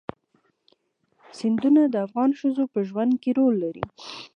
سیندونه د افغان ښځو په ژوند کې رول لري.